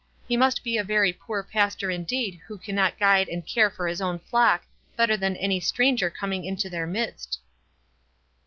He must be a very poor pastor indeed who can not guide and care for his own flock better than any stranger coming into their midst."